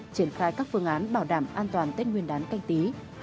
triển khai các phương án bảo đảm an toàn tết nguyên đán canh tí